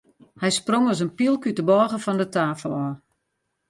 Hy sprong as in pylk út de bôge fan de tafel ôf.